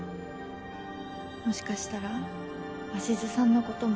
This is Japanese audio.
もしかしたら鷲津さんのことも。